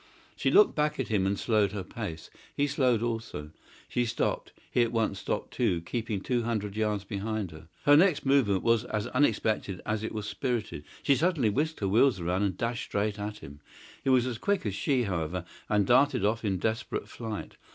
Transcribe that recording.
She looked back at him and slowed her pace. He slowed also. She stopped. He at once stopped too, keeping two hundred yards behind her. Her next movement was as unexpected as it was spirited. She suddenly whisked her wheels round and dashed straight at him! He was as quick as she, however, and darted off in desperate flight.